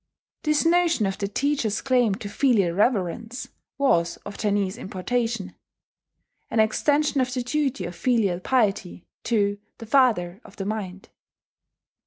This notion of the teacher's claim to filial reverence was of Chinese importation: an extension of the duty of filial piety to "the father of the mind."